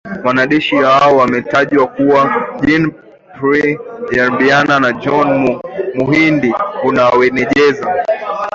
Wanajeshi hao wametajwa kuwa Jean Pierre Habyarimana Na John Muhindi Uwajeneza,